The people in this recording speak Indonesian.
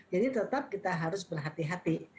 jadi tetap kita harus berhati hati